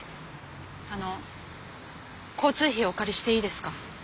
あの交通費をお借りしていいですか？